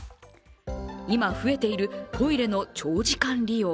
今増えているトイレの長時間利用。